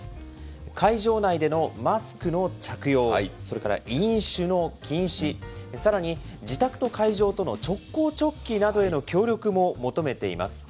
会場内でのマスクの着用、それから飲酒の禁止、さらに、自宅と会場との直行直帰などへの協力も求めています。